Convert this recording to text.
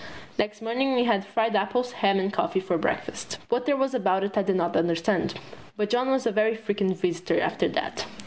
Next morning we had fried apples, ham and coffee for breakfast. What there was about it I did not understand, but John was a very frequent visitor after that.